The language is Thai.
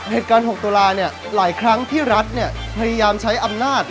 เหตุการณ์๖ตุลาหลายครั้งที่รัฐพยายามใช้อำนาจ